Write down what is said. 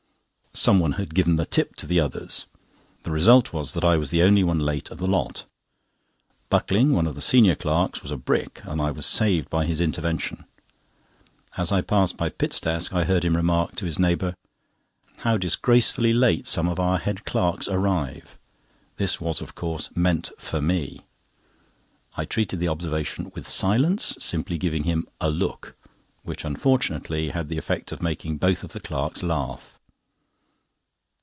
Someone had given the tip to the others. The result was that I was the only one late of the lot. Buckling, one of the senior clerks, was a brick, and I was saved by his intervention. As I passed by Pitt's desk, I heard him remark to his neighbour: "How disgracefully late some of the head clerks arrive!" This was, of course, meant for me. I treated the observation with silence, simply giving him a look, which unfortunately had the effect of making both of the clerks laugh.